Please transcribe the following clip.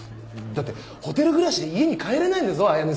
だってホテル暮らしで家に帰れないんだぞ綾音さんは。